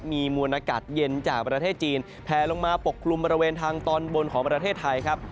มีมวลอากาศเย็นจากประเทศจีนแพลลงมาปกคลุมบริเวณทางตอนบนของประเทศไทยครับ